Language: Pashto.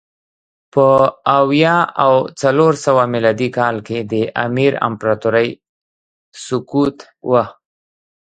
په اویا او څلور سوه میلادي کال کې د امپراتورۍ سقوط و